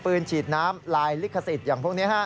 ฉีดน้ำลายลิขสิทธิ์อย่างพวกนี้